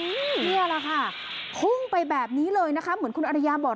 นี่แหละค่ะพุ่งไปแบบนี้เลยนะคะเหมือนคุณอริยาบอก